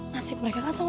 nasib mereka kan sama